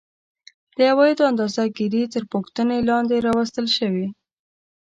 د عوایدو اندازه ګیري تر پوښتنې لاندې راوستل شوې